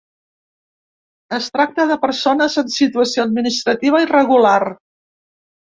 Es tracta de persones en situació administrativa irregular.